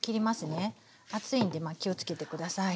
熱いんでまあ気をつけて下さい。